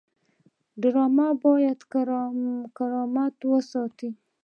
ډرامه باید کرامت وساتي